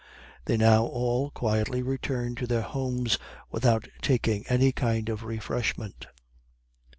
They now all quietly returned to their homes without taking any kind of refreshment.